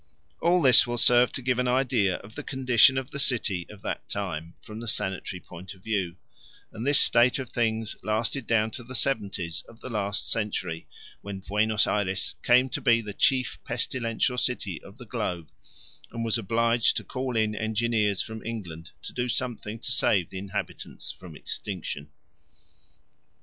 All this will serve to give an idea of the condition of the city of that time from the sanitary point of view, and this state of things lasted down to the 'seventies of the last century, when Buenos Ayres came to be the chief pestilential city of the globe and was obliged to call in engineers from England to do something to save the inhabitants from extinction.